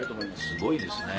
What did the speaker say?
すごいですね。